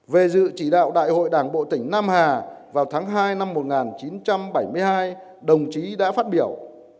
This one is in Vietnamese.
về dự chỉ đạo đại hội đảng bộ tỉnh nam hà vào tháng hai năm một nghìn chín trăm bảy mươi hai đồng chí đã phát biểu